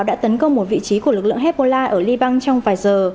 đã tấn công một vị trí của lực lượng hezbollah ở liban trong vài giờ